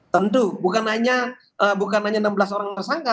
tentu bukan hanya enam belas orang tersangka